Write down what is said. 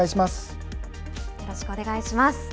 よろしくお願いします。